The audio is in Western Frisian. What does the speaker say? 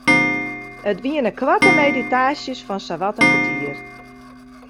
It wiene koarte meditaasjes fan sawat in kertier.